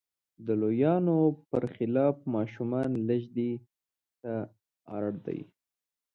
د لویانو پر خلاف ماشومان لږ دې ته اړ دي.